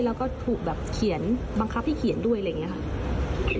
แล้วก็ถูกแบบเขียนบังคับให้เขียนด้วยอะไรอย่างนี้ค่ะ